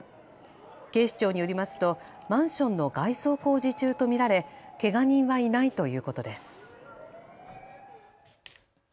警視庁によりますとマンションの外装工事中と見られけが人はいないということです。